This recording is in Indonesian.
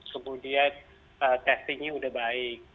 kemudian testingnya sudah baik